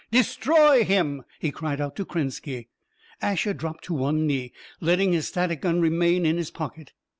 "Destroy him!" he cried out to Krenski. Asher dropped to one knee, letting his static gun remain in his pocket.